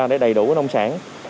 để đầy đủ nông sản